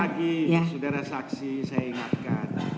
sekali lagi saudara saksi saya ingatkan